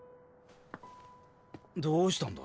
どうしたんだ？